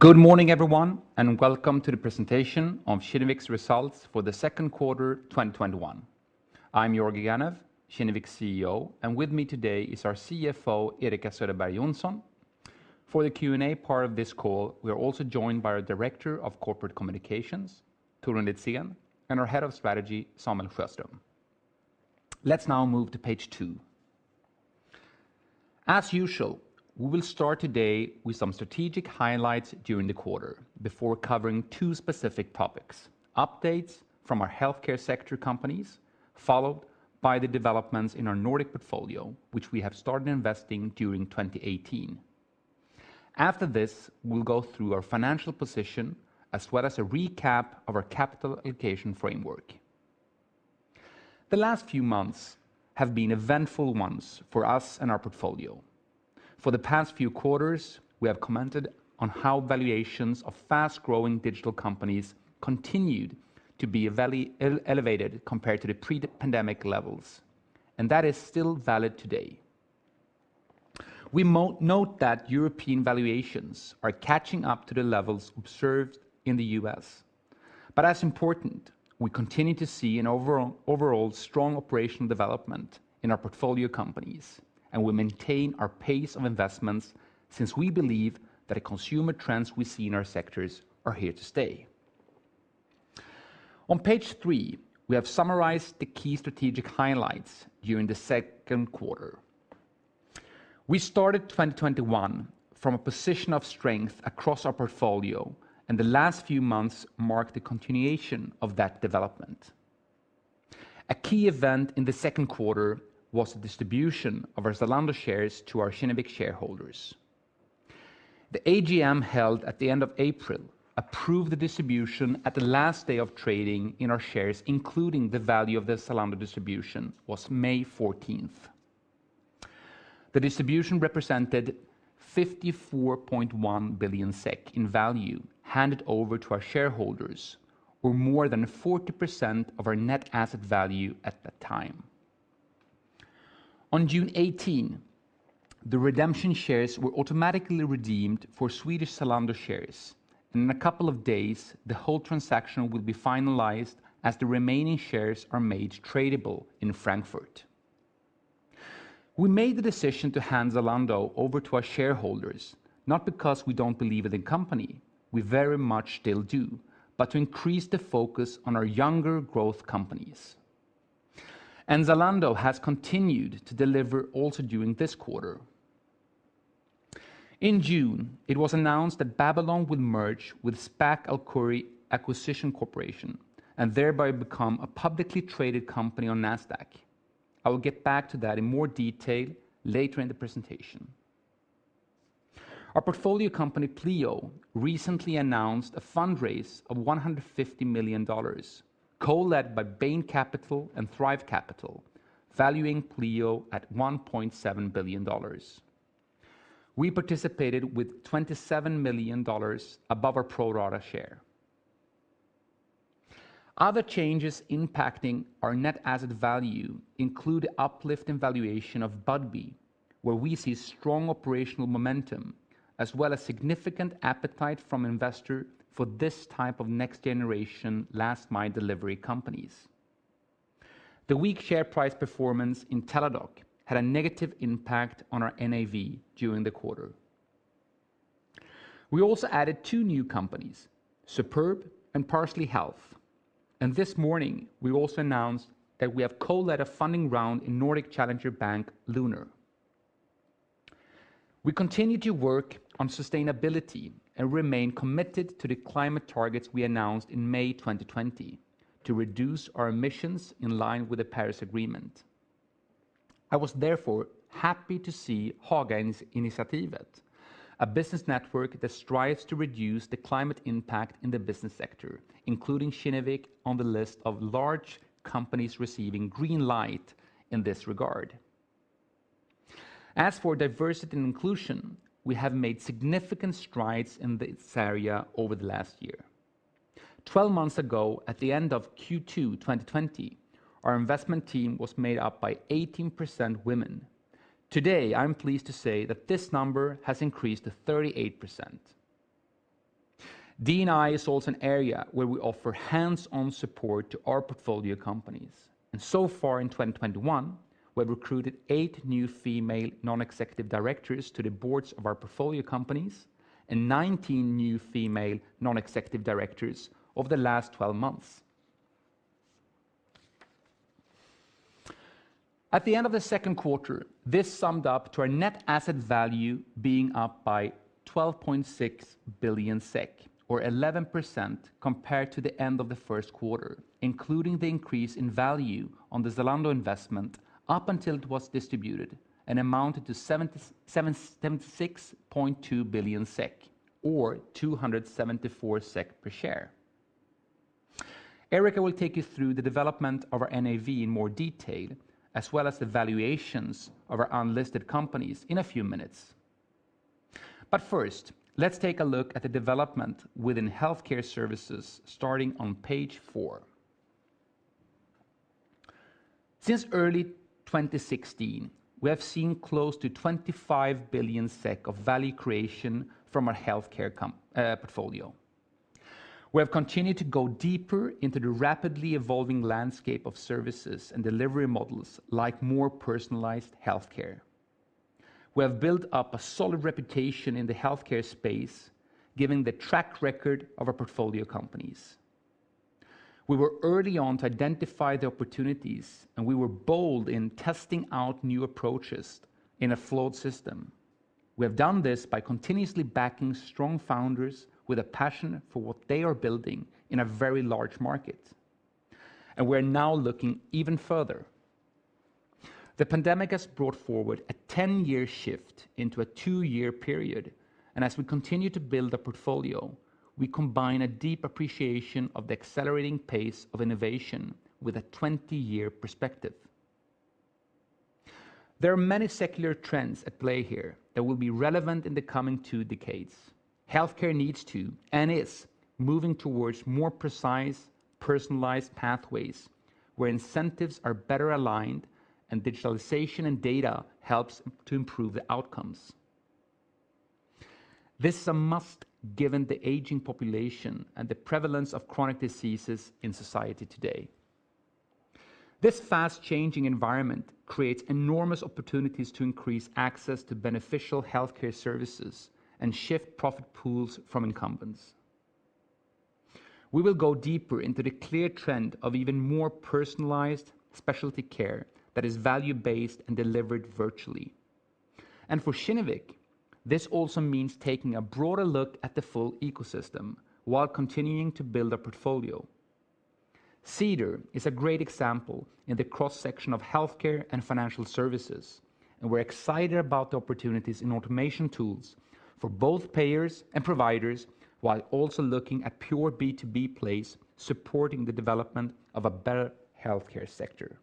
Good morning everyone, and welcome to the presentation of Kinnevik's results for the second quarter 2021. I'm Georgi Ganev, Kinnevik's CEO, and with me today is our CFO, Erika Söderberg Johnson. For the Q&A part of this call, we are also joined by our Director of Corporate Communications, Torun Litzén, and our Head of Strategy, Samuel Sjöström. Let's now move to page two. As usual, we will start today with some strategic highlights during the quarter before covering two specific topics, updates from our healthcare sector companies, followed by the developments in our Nordic portfolio, which we have started investing during 2018. After this, we'll go through our financial position as well as a recap of our capital allocation framework. The last few months have been eventful ones for us and our portfolio. For the past few quarters, we have commented on how valuations of fast-growing digital companies continued to be elevated compared to the pre-pandemic levels, and that is still valid today. We note that European valuations are catching up to the levels observed in the U.S. As important, we continue to see an overall strong operational development in our portfolio companies, and we maintain our pace of investments since we believe that the consumer trends we see in our sectors are here to stay. On page three, we have summarized the key strategic highlights during the second quarter. We started 2021 from a position of strength across our portfolio, and the last few months marked the continuation of that development. A key event in the second quarter was the distribution of our Zalando shares to our Kinnevik shareholders. The AGM held at the end of April approved the distribution at the last day of trading in our shares, including the value of the Zalando distribution, was May 14th. The distribution represented 54.1 billion SEK in value handed over to our shareholders or more than 40% of our net asset value at that time. On June 18, the redemption shares were automatically redeemed for Swedish Zalando shares, and in a couple of days, the whole transaction will be finalized as the remaining shares are made tradable in Frankfurt. We made the decision to hand Zalando over to our shareholders, not because we don't believe in the company, we very much still do, but to increase the focus on our younger growth companies. Zalando has continued to deliver also during this quarter. In June, it was announced that Babylon would merge with SPAC Alkuri Global Acquisition Corp. and thereby become a publicly traded company on Nasdaq. I will get back to that in more detail later in the presentation. Our portfolio company, Pleo, recently announced a fundraise of $150 million co-led by Bain Capital and Thrive Capital, valuing Pleo at $1.7 billion. We participated with $27 million above our pro rata share. Other changes impacting our net asset value include uplift in valuation of Budbee, where we see strong operational momentum, as well as significant appetite from investor for this type of next-generation last-mile delivery companies. The weak share price performance in Teladoc had a negative impact on our NAV during the quarter. We also added two new companies, Superb and Parsley Health, and this morning we also announced that we have co-led a funding round in Nordic Challenger Bank, Lunar. We continue to work on sustainability and remain committed to the climate targets we announced in May 2020 to reduce our emissions in line with the Paris Agreement. I was therefore happy to see Haga Initiative, a business network that strives to reduce the climate impact in the business sector, including Kinnevik on the list of large companies receiving green light in this regard. As for diversity and inclusion, we have made significant strides in this area over the last year. Twelve months ago, at the end of Q2 2020, our investment team was made up by 18% women. Today, I'm pleased to say that this number has increased to 38%. D&I is also an area where we offer hands-on support to our portfolio companies. So far in 2021, we have recruited eight new female non-executive directors to the boards of our portfolio companies and 19 new female non-executive directors over the last 12 months. At the end of the second quarter, this summed up to our NAV being up by 12.6 billion SEK or 11% compared to the end of the first quarter, including the increase in value on the Zalando investment up until it was distributed and amounted to 76.2 billion SEK or 274 SEK per share. Erika will take you through the development of our NAV in more detail, as well as the valuations of our unlisted companies in a few minutes. First, let's take a look at the development within healthcare services starting on page four. Since early 2016, we have seen close to 25 billion SEK of value creation from our healthcare portfolio. We have continued to go deeper into the rapidly evolving landscape of services and delivery models, like more personalized healthcare. We have built up a solid reputation in the healthcare space, given the track record of our portfolio companies. We were early on to identify the opportunities, and we were bold in testing out new approaches in a flawed system. We have done this by continuously backing strong founders with a passion for what they are building in a very large market, and we are now looking even further. The pandemic has brought forward a 10-year shift into a two-year period, and as we continue to build our portfolio, we combine a deep appreciation of the accelerating pace of innovation with a 20-year perspective. There are many secular trends at play here that will be relevant in the coming two decades. Healthcare needs to, and is, moving towards more precise, personalized pathways where incentives are better aligned, and digitalization and data helps to improve the outcomes. This is a must given the aging population and the prevalence of chronic diseases in society today. This fast-changing environment creates enormous opportunities to increase access to beneficial healthcare services and shift profit pools from incumbents. We will go deeper into the clear trend of even more personalized specialty care that is value-based and delivered virtually. For Kinnevik, this also means taking a broader look at the full ecosystem while continuing to build our portfolio. Cedar is a great example in the cross-section of healthcare and financial services, and we're excited about the opportunities in automation tools for both payers and providers, while also looking at pure B2B plays supporting the development of a better healthcare sector.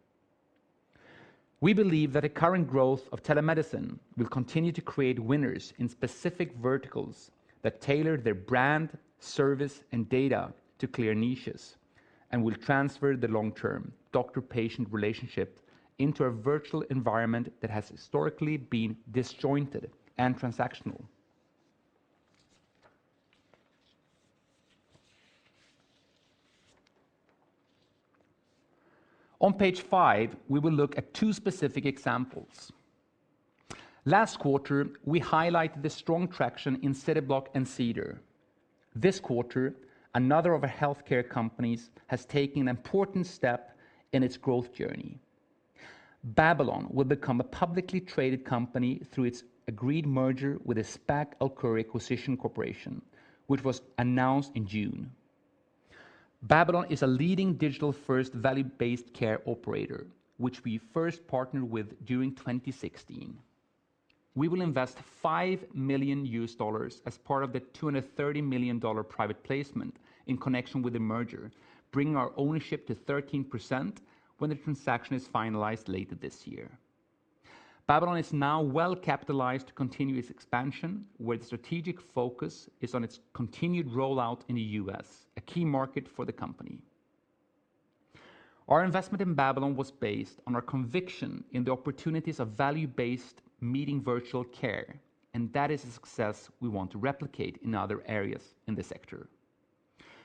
We believe that the current growth of telemedicine will continue to create winners in specific verticals that tailor their brand, service, and data to clear niches, and will transfer the long-term doctor-patient relationship into a virtual environment that has historically been disjointed and transactional. On page 5, we will look at two specific examples. Last quarter, we highlighted the strong traction in Cityblock and Cedar. This quarter, another of our healthcare companies has taken an important step in its growth journey. Babylon will become a publicly traded company through its agreed merger with the SPAC Alkuri Global Acquisition Corp., which was announced in June. Babylon is a leading digital-first, value-based care operator, which we first partnered with during 2016. We will invest $5 million as part of the $230 million private placement in connection with the merger, bringing our ownership to 13% when the transaction is finalized later this year. Babylon is now well capitalized to continue its expansion, where strategic focus is on its continued rollout in the U.S., a key market for the company. Our investment in Babylon was based on our conviction in the opportunities of value-based meeting virtual care, and that is a success we want to replicate in other areas in the sector.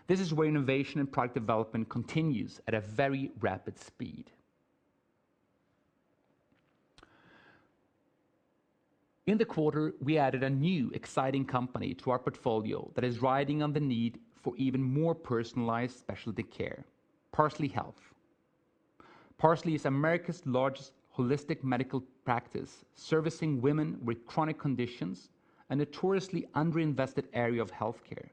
This is where innovation and product development continues at a very rapid speed. In the quarter, we added a new exciting company to our portfolio that is riding on the need for even more personalized specialty care, Parsley Health. Parsley is America's largest holistic medical practice, servicing women with chronic conditions and a notoriously under-invested area of healthcare.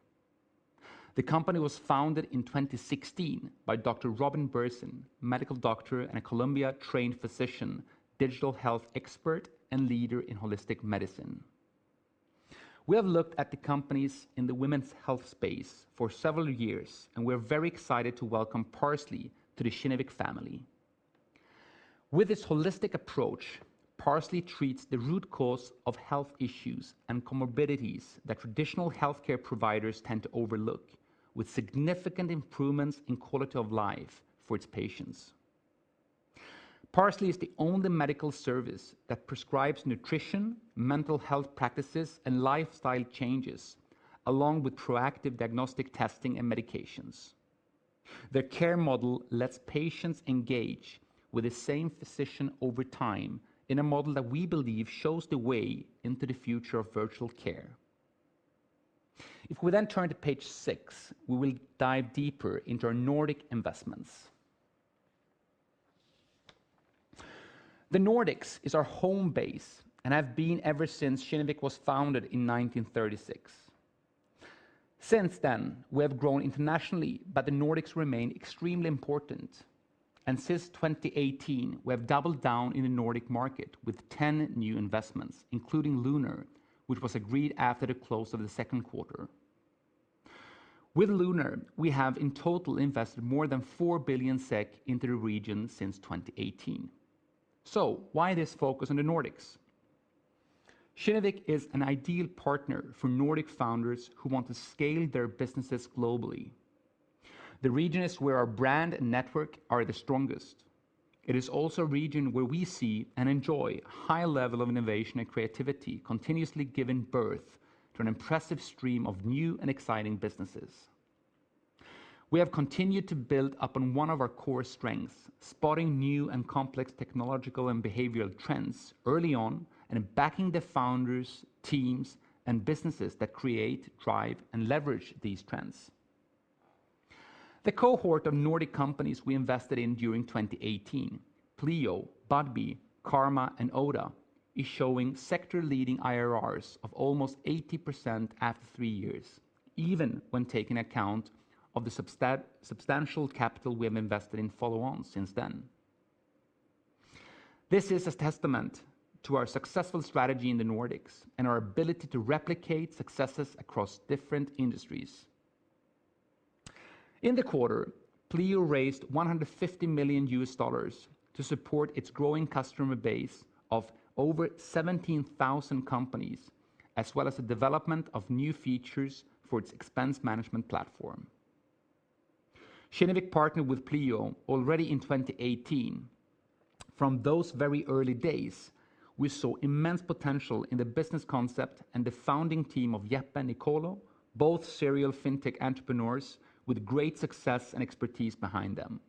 The company was founded in 2016 by Dr. Robin Berzin, a medical doctor and Columbia-trained physician, digital health expert, and leader in holistic medicine. We have looked at the companies in the women's health space for several years, and we are very excited to welcome Parsley to the Kinnevik family. With its holistic approach, Parsley treats the root cause of health issues and comorbidities that traditional healthcare providers tend to overlook, with significant improvements in quality of life for its patients. Parsley is the only medical service that prescribes nutrition, mental health practices, and lifestyle changes, along with proactive diagnostic testing and medications. Their care model lets patients engage with the same physician over time in a model that we believe shows the way into the future of virtual care. If we then turn to page 6, we will dive deeper into our Nordic investments. The Nordics is our home base and have been ever since Kinnevik was founded in 1936. Since then, we have grown internationally, but the Nordics remain extremely important, and since 2018, we have doubled down in the Nordic market with 10 new investments, including Lunar, which was agreed after the close of the second quarter. With Lunar, we have in total invested more than 4 billion SEK into the region since 2018. Why this focus on the Nordics? Kinnevik is an ideal partner for Nordic founders who want to scale their businesses globally. The region is where our brand and network are the strongest. It is also a region where we see and enjoy a high level of innovation and creativity, continuously giving birth to an impressive stream of new and exciting businesses. We have continued to build upon one of our core strengths, spotting new and complex technological and behavioral trends early on, and backing the founders, teams, and businesses that create, drive, and leverage these trends. The cohort of Nordic companies we invested in during 2018, Pleo, Budbee, Karma, and Oda, is showing sector-leading IRRs of almost 80% after three years, even when taking account of the substantial capital we have invested in follow-ons since then. This is a testament to our successful strategy in the Nordics and our ability to replicate successes across different industries. In the quarter, Pleo raised $150 million to support its growing customer base of over 17,000 companies, as well as the development of new features for its expense management platform. Kinnevik partnered with Pleo already in 2018. From those very early days, we saw immense potential in the business concept and the founding team of Jeppe and Niccolo, both serial fintech entrepreneurs with great success and expertise behind them.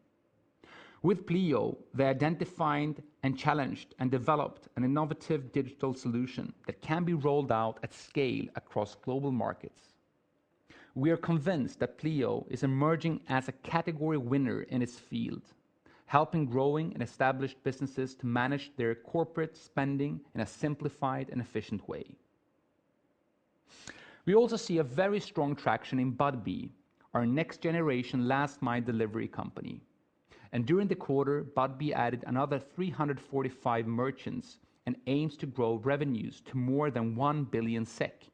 With Pleo, they identified and challenged and developed an innovative digital solution that can be rolled out at scale across global markets. We are convinced that Pleo is emerging as a category winner in its field, helping growing and established businesses to manage their corporate spending in a simplified and efficient way. We also see a very strong traction in Budbee, our next-generation last-mile delivery company. During the quarter, Budbee added another 345 merchants and aims to grow revenues to more than 1 billion SEK,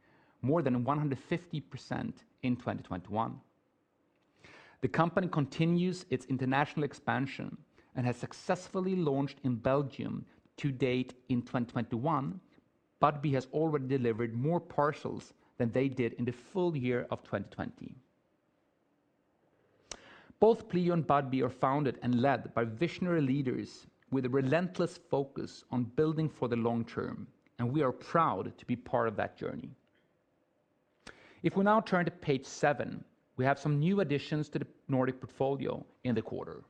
more than 150% in 2021. The company continues its international expansion and has successfully launched in Belgium. To date in 2021, Budbee has already delivered more parcels than they did in the full year of 2020. Both Pleo and Budbee are founded and led by visionary leaders with a relentless focus on building for the long term, and we are proud to be part of that journey. If we now turn to page seven, we have some new additions to the Nordic portfolio in the quarter.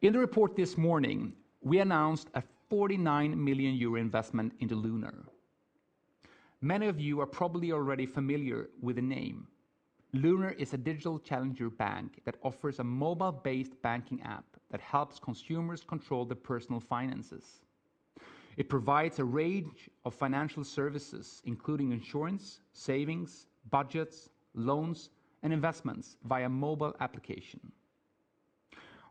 In the report this morning, we announced a 49 million euro investment into Lunar. Many of you are probably already familiar with the name. Lunar is a digital challenger bank that offers a mobile-based banking app that helps consumers control their personal finances. It provides a range of financial services, including insurance, savings, budgets, loans, and investments via mobile application.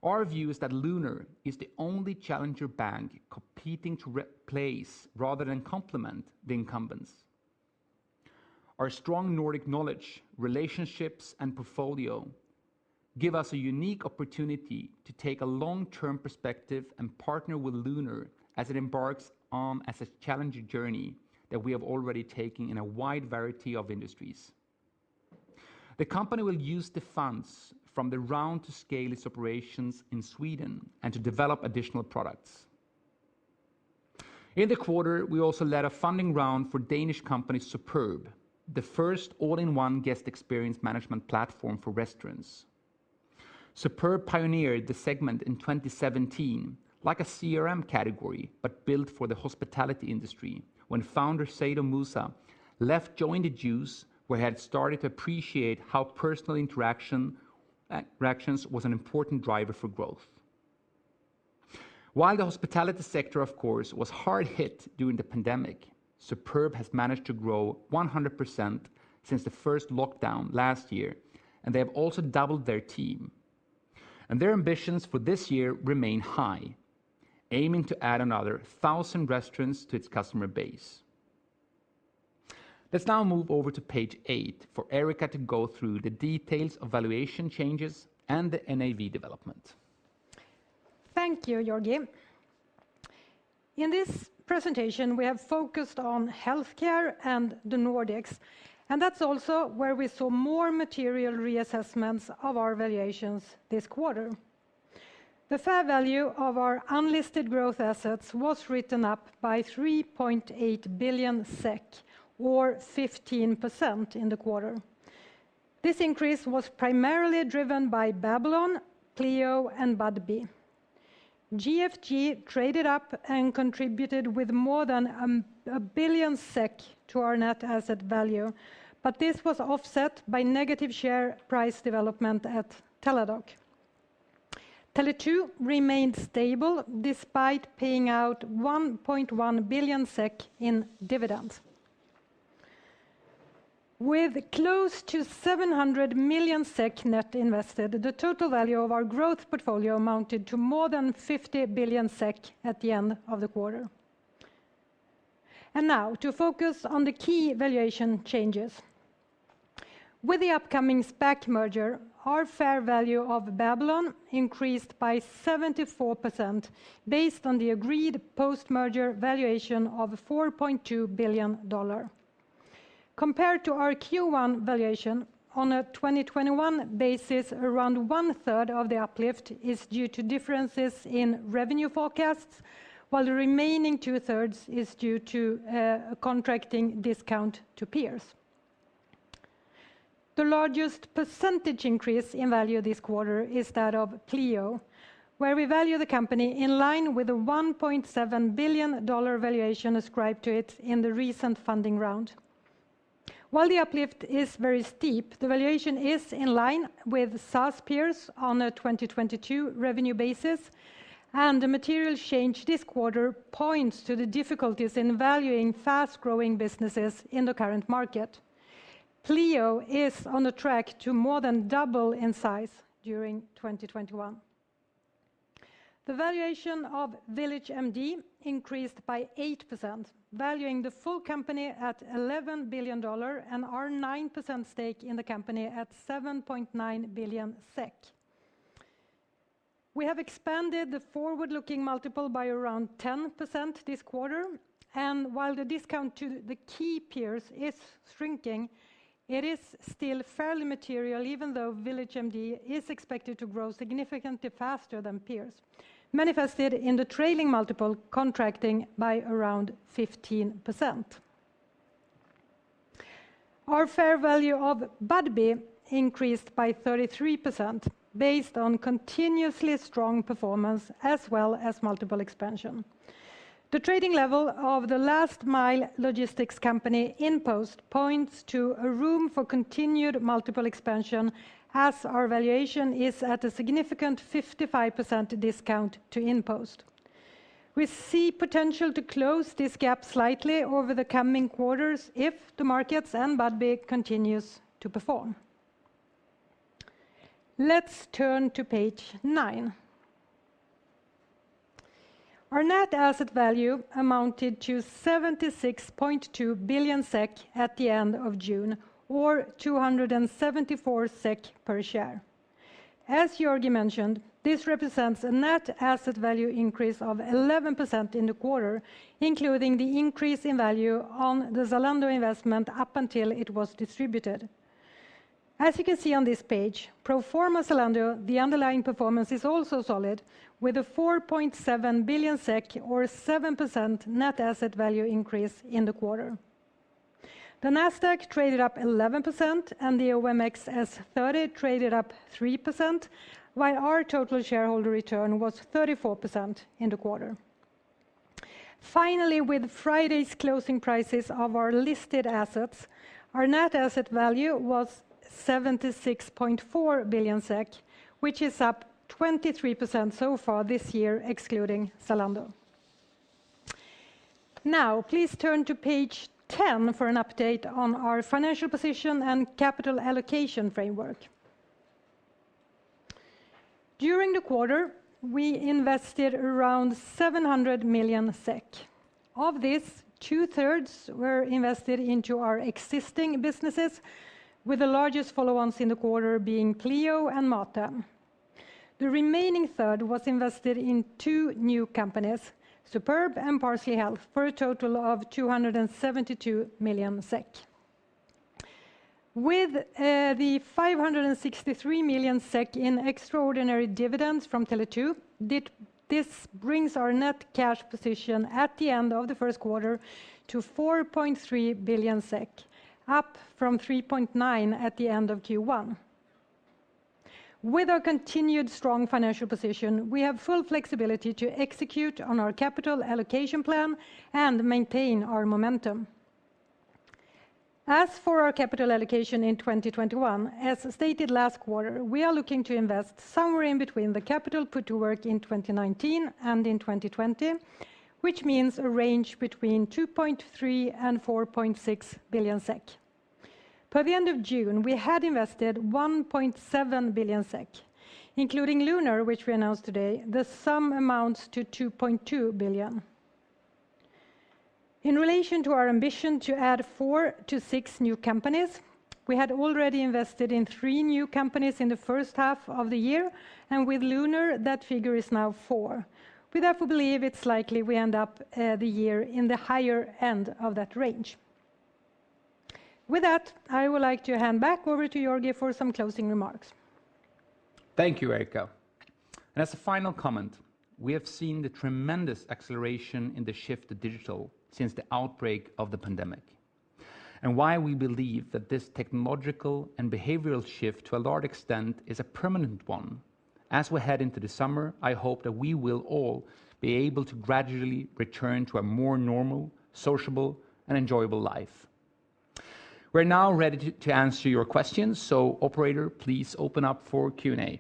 Our view is that Lunar is the only challenger bank competing to replace rather than complement the incumbents. Our strong Nordic knowledge, relationships, and portfolio give us a unique opportunity to take a long-term perspective and partner with Lunar as it embarks on as challenging a journey that we have already taken in a wide variety of industries. The company will use the funds from the round to scale its operations in Sweden and to develop additional products. In the quarter, we also led a funding round for Danish company Superb, the first all-in-one guest experience management platform for restaurants. Superb pioneered the segment in 2017, like a CRM category but built for the hospitality industry when founder Zaedo Musa left Joe & The Juice, where he had started to appreciate how personal interactions was an important driver for growth. While the hospitality sector, of course, was hard hit during the pandemic, Superb has managed to grow 100% since the first lockdown last year, and they have also doubled their team. Their ambitions for this year remain high, aiming to add another 1,000 restaurants to its customer base. Let's now move over to page eight for Erika to go through the details of valuation changes and the NAV development. Thank you, Georgi. In this presentation, we have focused on healthcare and the Nordics, and that's also where we saw more material reassessments of our valuations this quarter. The fair value of our unlisted growth assets was written up by 3.8 billion SEK or 15% in the quarter. This increase was primarily driven by Babylon, Pleo, and Budbee. GFG traded up and contributed with more than 1 billion SEK to our net asset value, but this was offset by negative share price development at Teladoc. Tele2 remained stable despite paying out 1.1 billion SEK in dividends. With close to 700 million SEK net invested, the total value of our growth portfolio amounted to more than 50 billion SEK at the end of the quarter. Now to focus on the key valuation changes. With the upcoming SPAC merger, our fair value of Babylon increased by 74%, based on the agreed post-merger valuation of $4.2 billion. Compared to our Q1 valuation on a 2021 basis, around one-third of the uplift is due to differences in revenue forecasts, while the remaining two-thirds is due to a contracting discount to peers. The largest percentage increase in value this quarter is that of Pleo, where we value the company in line with a $1.7 billion valuation ascribed to it in the recent funding round. While the uplift is very steep, the valuation is in line with SaaS peers on a 2022 revenue basis, and the material change this quarter points to the difficulties in valuing fast-growing businesses in the current market. Pleo is on track to more than double in size during 2021. The valuation of VillageMD increased by 8%, valuing the full company at $11 billion and our 9% stake in the company at 7.9 billion SEK. We have expanded the forward-looking multiple by around 10% this quarter, and while the discount to the key peers is shrinking, it is still fairly material, even though VillageMD is expected to grow significantly faster than peers, manifested in the trailing multiple contracting by around 15%. Our fair value of Budbee increased by 33%, based on continuously strong performance as well as multiple expansion. The trading level of the last mile logistics company InPost points to a room for continued multiple expansion as our valuation is at a significant 55% discount to InPost. We see potential to close this gap slightly over the coming quarters if the markets and Budbee continues to perform. Let's turn to page nine. Our net asset value amounted to 76.2 billion SEK at the end of June, or 274 SEK per share. As Georgi mentioned, this represents a net asset value increase of 11% in the quarter, including the increase in value on the Zalando investment up until it was distributed. As you can see on this page, pro forma Zalando, the underlying performance is also solid, with a 4.7 billion SEK or 7% net asset value increase in the quarter. The Nasdaq traded up 11% and the OMXS30 traded up 3%, while our total shareholder return was 34% in the quarter. Finally, with Friday's closing prices of our listed assets, our net asset value was 76.4 billion SEK, which is up 23% so far this year, excluding Zalando. Now please turn to page 10 for an update on our financial position and capital allocation framework. During the quarter, we invested around 700 million SEK. Of this, two-thirds were invested into our existing businesses with the largest follow-ons in the quarter being Pleo and MatHem. The remaining third was invested in two new companies, Superb and Parsley Health, for a total of 272 million SEK. With the 563 million SEK in extraordinary dividends from Tele2, this brings our net cash position at the end of the first quarter to 4.3 billion SEK, up from 3.9 billion at the end of Q1. As for our capital allocation in 2021, as stated last quarter, we are looking to invest somewhere in between the capital put to work in 2019 and in 2020, which means a range between 2.3 billion-4.6 billion SEK. By the end of June, we had invested 1.7 billion SEK, including Lunar, which we announced today, the sum amounts to 2.2 billion. In relation to our ambition to add six new companies, we had already invested in three new companies in the first half of the year, and with Lunar, that figure is now four. We definitely believe it's likely we end up the year in the higher end of that range. With that, I would like to hand back over to Georgi for some closing remarks. Thank you, Erika. As a final comment, we have seen the tremendous acceleration in the shift to digital since the outbreak of the pandemic and why we believe that this technological and behavioral shift, to a large extent, is a permanent one. As we head into the summer, I hope that we will all be able to gradually return to a more normal, sociable, and enjoyable life. We're now ready to answer your questions. Operator, please open up for Q&A.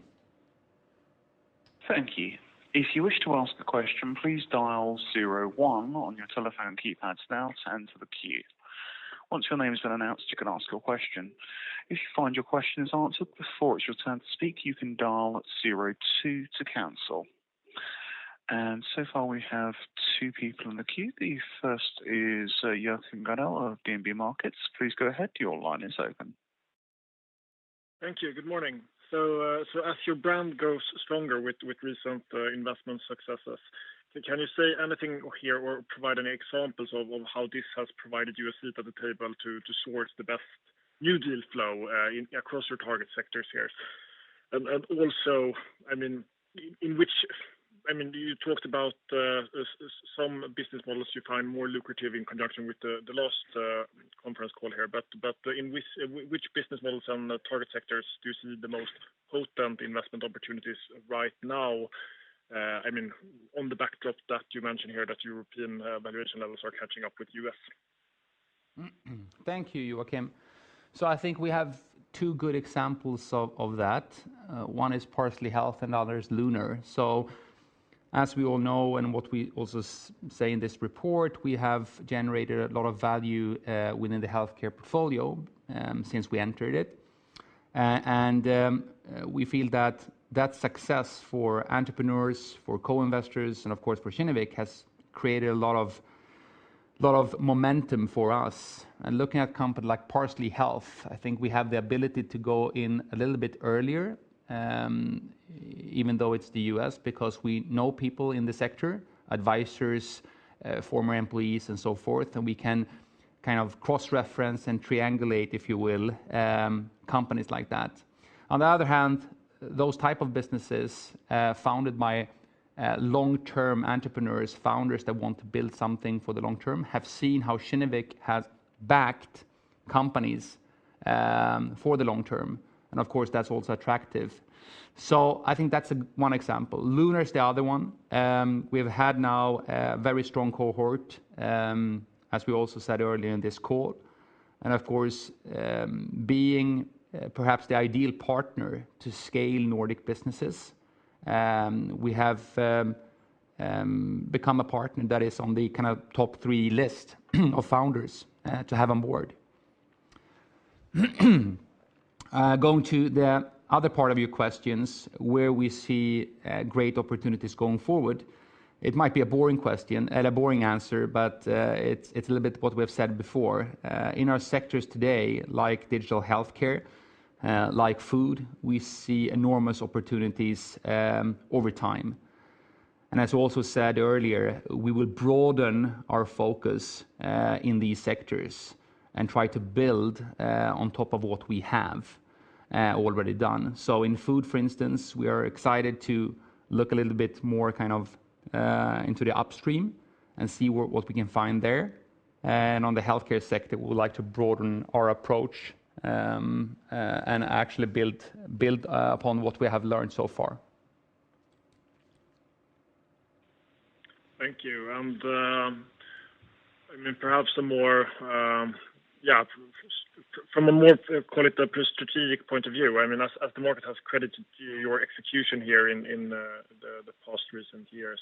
Thank you. If you wish to ask a question, please dial zero one on your telephone keypad now to enter the queue. Once your name has been announced, you can ask your question. If you find your question is answered before it's your turn to speak, you can dial zero two to cancel. So far, we have two people in the queue. The first is Joachim Gunell of DNB Markets. Please go ahead. Your line is open. Thank you. Good morning. As your brand grows stronger with recent investment successes, can you say anything here or provide any examples of how this has provided you a seat at the table to source the best new deal flow across your target sectors here? You talked about some business models you find more lucrative in conjunction with the last conference call here, but in which business models and target sectors do you see the most potent investment opportunities right now on the backdrop that you mentioned here that European valuation levels are catching up with U.S.? Thank you, Joachim. I think we have two good examples of that. One is Parsley Health and the other is Lunar. As we all know, and what we also say in this report, we have generated a lot of value within the healthcare portfolio since we entered it. We feel that success for entrepreneurs, for co-investors, and of course for Kinnevik, has created a lot of momentum for us. Looking at companies like Parsley Health, I think we have the ability to go in a little bit earlier, even though it's the U.S., because we know people in the sector, advisors, former employees and so forth, and we can kind of cross-reference and triangulate, if you will, companies like that. On the other hand, those type of businesses founded by long-term entrepreneurs, founders that want to build something for the long term, have seen how Kinnevik has backed companies for the long term. Of course, that's also attractive. I think that's one example. Lunar is the other one. We've had now a very strong cohort, as we also said earlier in this call. Of course, being perhaps the ideal partner to scale Nordic businesses, we have become a partner that is on the kind of top three list of founders to have on board. Going to the other part of your questions, where we see great opportunities going forward. It might be a boring question and a boring answer, but it's a little bit what we have said before. In our sectors today, like digital healthcare, like food, we see enormous opportunities over time. As also said earlier, we will broaden our focus in these sectors and try to build on top of what we have already done. In food, for instance, we are excited to look a little bit more into the upstream and see what we can find there. On the healthcare sector, we would like to broaden our approach and actually build upon what we have learned so far. Thank you. Perhaps from a more, call it, a strategic point of view, as the market has credited your execution here in the past recent years,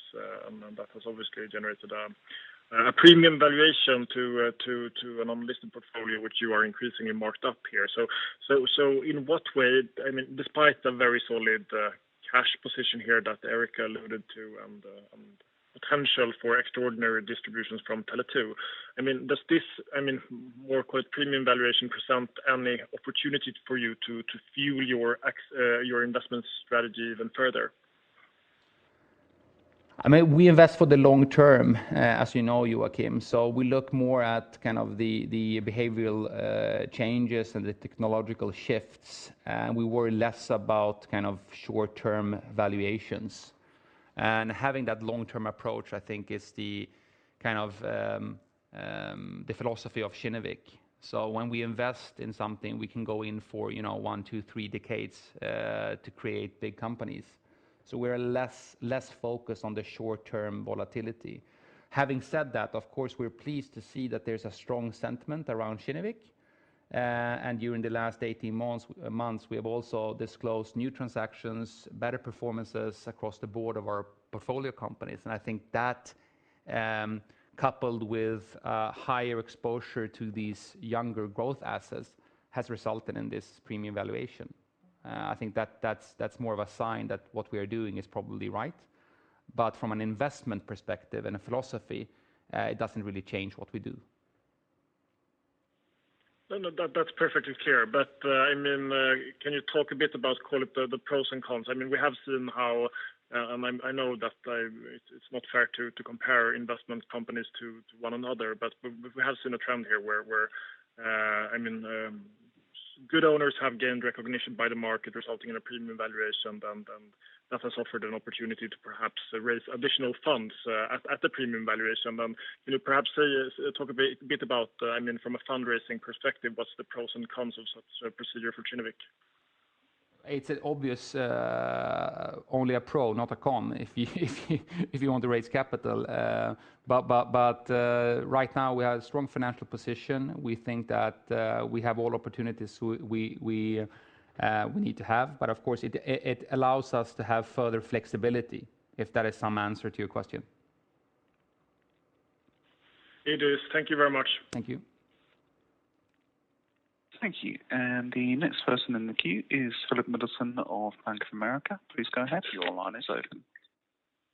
and that has obviously generated a premium valuation to an unlisted portfolio, which you are increasingly marked up here. In what way, despite the very solid cash position here that Erika alluded to and potential for extraordinary distributions from Tele2, does this more premium valuation present any opportunity for you to fuel your investment strategy even further? We invest for the long term, as you know, Joachim. We look more at kind of the behavioral changes and the technological shifts. We worry less about short-term valuations. Having that long-term approach, I think, is the kind of philosophy of Kinnevik. When we invest in something, we can go in for one, two, three decades to create big companies. We're less focused on the short-term volatility. Having said that, of course, we're pleased to see that there's a strong sentiment around Kinnevik. During the last 18 months, we have also disclosed new transactions, better performances across the board of our portfolio companies. I think that, coupled with higher exposure to these younger growth assets, has resulted in this premium valuation. I think that's more of a sign that what we are doing is probably right. From an investment perspective and a philosophy, it doesn't really change what we do. No, that's perfectly clear. Can you talk a bit about, call it, the pros and cons? We have seen how, and I know that it's not fair to compare investment companies to one another, but we have seen a trend here where good owners have gained recognition by the market, resulting in a premium valuation, and that has offered an opportunity to perhaps raise additional funds at the premium valuation. Perhaps talk a bit about from a fundraising perspective, what's the pros and cons of such a procedure for Kinnevik? It's obvious only a pro, not a con if you want to raise capital. Right now we have a strong financial position. We think that we have all opportunities we need to have. Of course, it allows us to have further flexibility, if that is some answer to your question. It is. Thank you very much. Thank you. Thank you. The next person in the queue is Philip Middleton of Bank of America. Please go ahead. Your line is open.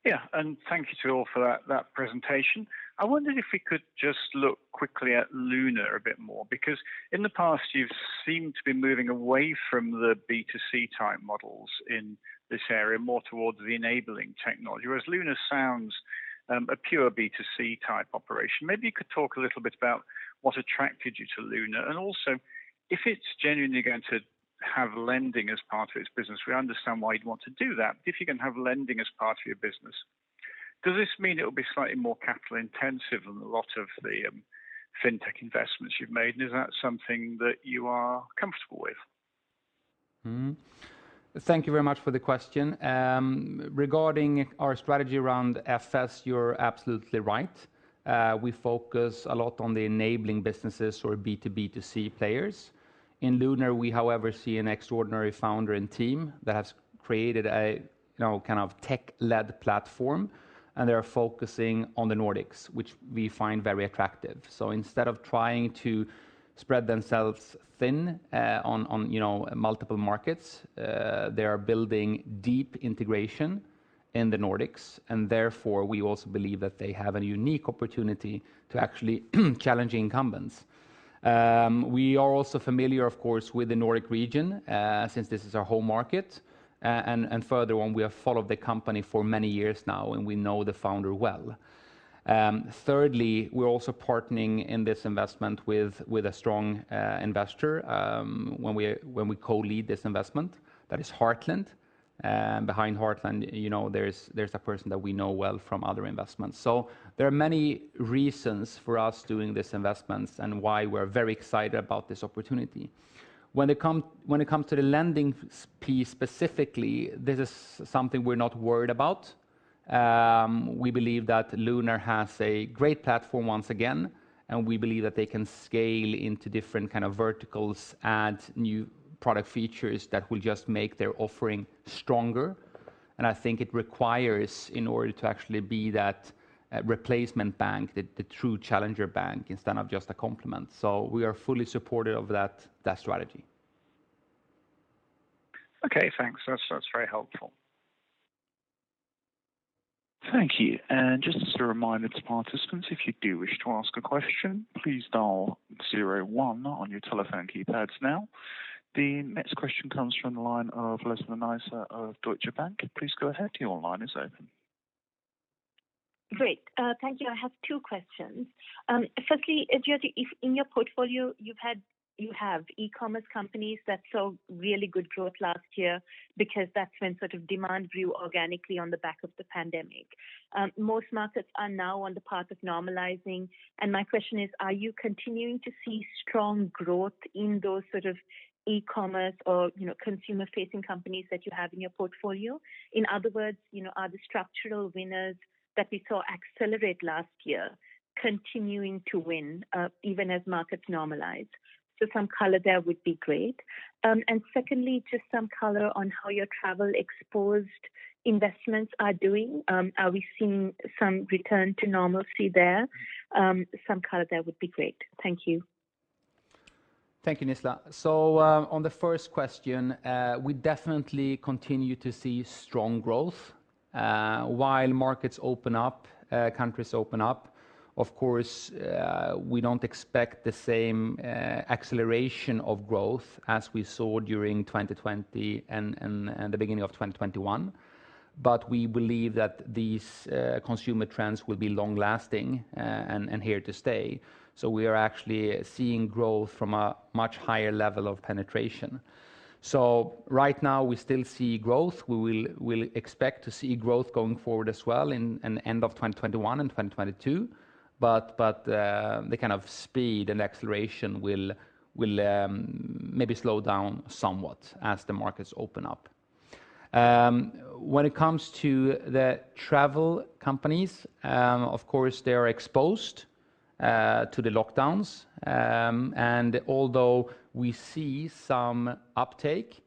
Yeah. Thank you to all for that presentation. I wondered if we could just look quickly at Lunar a bit more, because in the past, you've seemed to be moving away from the B2C type models in this area, more towards the enabling technology, whereas Lunar sounds a pure B2C type operation. Maybe you could talk a little bit about what attracted you to Lunar, and also, if it's genuinely going to have lending as part of its business, we understand why you'd want to do that. If you're going to have lending as part of your business, does this mean it'll be slightly more capital intensive than a lot of the fintech investments you've made, and is that something that you are comfortable with? Thank you very much for the question. Regarding our strategy around FS, you are absolutely right. We focus a lot on the enabling businesses or B2B2C players. In Lunar, we however, see an extraordinary founder and team that has created a kind of tech-led platform, and they are focusing on the Nordics, which we find very attractive. Instead of trying to spread themselves thin on multiple markets, they are building deep integration in the Nordics, and therefore, we also believe that they have a unique opportunity to actually challenge the incumbents. We are also familiar of course, with the Nordic region, since this is our home market. Furthermore, we have followed the company for many years now, and we know the founder well. Thirdly, we are also partnering in this investment with a strong investor when we co-lead this investment, that is HEARTLAND. Behind HEARTLAND, there's a person that we know well from other investments. There are many reasons for us doing this investment and why we're very excited about this opportunity. When it comes to the lending piece specifically, this is something we're not worried about. We believe that Lunar has a great platform once again, and we believe that they can scale into different kind of verticals, add new product features that will just make their offering stronger. I think it requires in order to actually be that replacement bank, the true challenger bank instead of just a complement. We are fully supportive of that strategy. Okay, thanks. That's very helpful. Thank you. Just as a reminder to participants, if you do wish to ask a question, please dial zero one on your telephone keypads now. The next question comes from the line of Lesana Issa of Deutsche Bank. Please go ahead, your line is open. Great. Thank you. I have two questions. Firstly, in your portfolio, you have e-commerce companies that saw really good growth last year because that's when sort of demand grew organically on the back of the pandemic. Most markets are now on the path of normalizing. My question is, are you continuing to see strong growth in those sort of e-commerce or consumer-facing companies that you have in your portfolio? In other words, are the structural winners that we saw accelerate last year continuing to win even as markets normalize? Some color there would be great. Secondly, just some color on how your travel exposed investments are doing. Are we seeing some return to normalcy there? Some color there would be great. Thank you. Thank you, Lesana. On the first question, we definitely continue to see strong growth while markets open up, countries open up. Of course, we don't expect the same acceleration of growth as we saw during 2020 and the beginning of 2021. We believe that these consumer trends will be long lasting and here to stay. We are actually seeing growth from a much higher level of penetration. Right now we still see growth. We'll expect to see growth going forward as well in end of 2021 and 2022. The kind of speed and acceleration will maybe slow down somewhat as the markets open up. When it comes to the travel companies, of course, they're exposed to the lockdowns. Although we see some uptake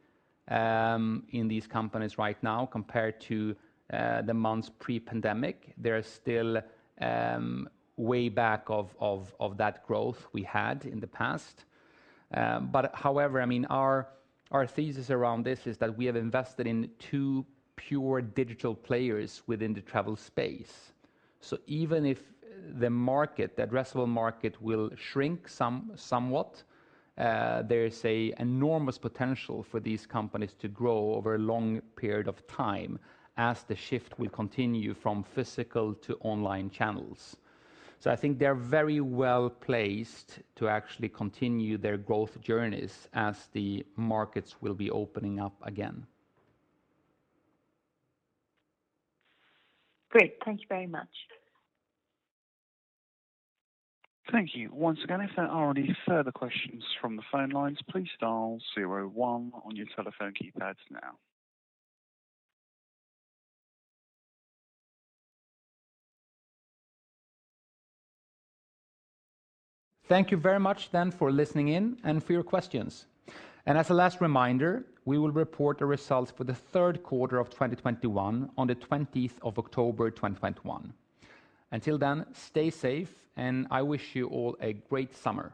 in these companies right now compared to the months pre-pandemic, they're still way back of that growth we had in the past. However, our thesis around this is that we have invested in two pure digital players within the travel space. Even if the addressable market will shrink somewhat, there is an enormous potential for these companies to grow over a long period of time as the shift will continue from physical to online channels. I think they're very well placed to actually continue their growth journeys as the markets will be opening up again. Great. Thank you very much. Thank you. Once again, if there are any further questions from the phone lines, please dial zero one on your telephone keypads now. Thank you very much for listening in and for your questions. As a last reminder, we will report the results for the third quarter of 2021 on the 20th of October, 2021. Until then, stay safe, and I wish you all a great summer.